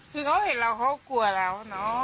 คือเขาเห็นเราเขากลัวเราเนอะ